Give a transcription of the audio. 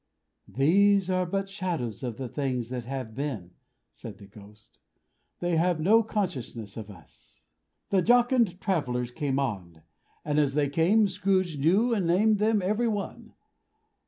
"These are but shadows of the things that have been," said the Ghost. "They have no consciousness of us." The jocund travelers came on; and as they came, Scrooge knew and named them every one.